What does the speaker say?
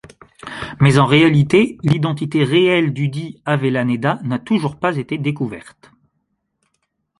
Mais en réalité, l'identité réelle dudit Avellaneda n'a toujours pas été découverte.